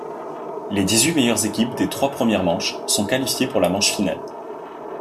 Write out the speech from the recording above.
Les dix-huit meilleures équipes des trois premières manches sont qualifiées pour la manche finale.